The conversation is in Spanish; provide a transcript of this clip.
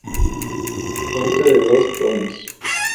Consta de dos tomos.